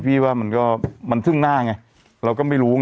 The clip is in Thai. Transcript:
พี่ว่ามันซึ่งหน้าไงเราก็ไม่รู้